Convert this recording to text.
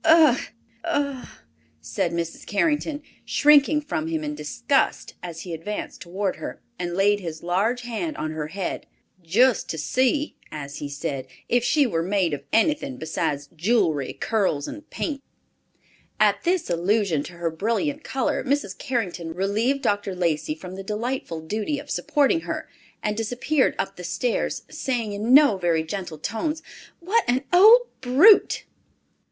"Ugh u u!" said Mrs. Carrington, shrinking from him in disgust, as he advanced toward her, and laid his large hand on her head, "just to see," as he said, "if she were made of anything besides jewelry, curls and paint." At this allusion to her brilliant color, Mrs. Carrington relieved Dr. Lacey from the delightful duty of supporting her, and disappeared up the stairs, saying in no very gentle tones, "What an old brute!"